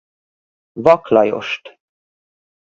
Vak Lajost.